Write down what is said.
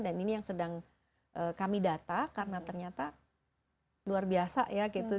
dan ini yang sedang kami data karena ternyata luar biasa ya gitu